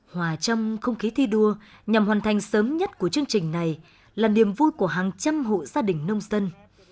hòa trong không khí thi đua nhằm hoàn thành sớm nhất của chương trình này là niềm vui của hàng trăm hộ gia đình nông dân